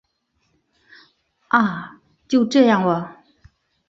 啊！就这样喔